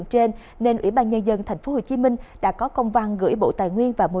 trong kinh tế phương nam